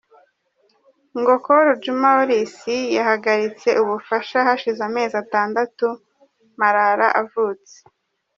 Ngo Col Juma Oris yahagaritse ubufasha hashize amezi atandatu Marara avutse.